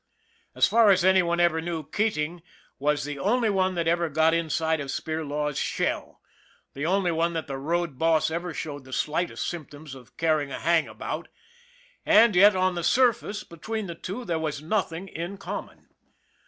As far as any one ever knew, Keating was the only one that ever got inside of Spirlaw's shell, the only one that the road boss ever showed the slightest symptoms of caring a hang about and yet, on the surface, between the two there was nothing in common.